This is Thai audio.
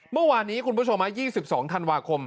เมื่อวานนี้คุณผู้ชม๒๒ธันวาคม